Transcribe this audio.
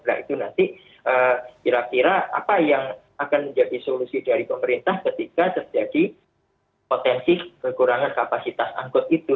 nah itu nanti kira kira apa yang akan menjadi solusi dari pemerintah ketika terjadi potensi kekurangan kapasitas angkut itu